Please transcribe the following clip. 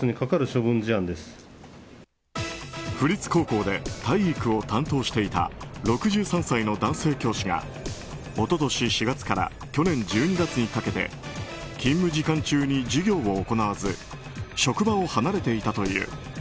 府立高校で体育を担当していた６３歳の男性教師が一昨年４月から去年１２月にかけて勤務時間中に授業を行わず職場を離れていたという。